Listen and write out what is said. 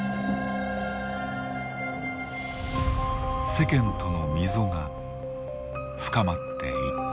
世間との溝が深まっていった。